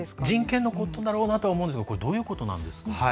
人権のことだと思いますがどういうことなんですか？